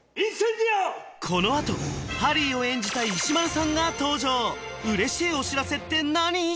このあとハリーを演じた石丸さんが登場嬉しいお知らせって何？